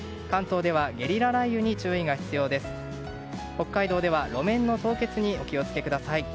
北海道では路面の凍結にお気を付けください。